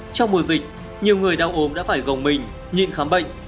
trong mùa dịch nhiều người đau ốm đã phải gồng mình nhìn khám bệnh